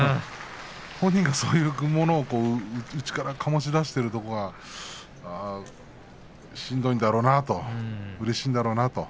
本人がそういうものを内から醸し出しているところがしんどいんだろうなとうれしいんだろうなと。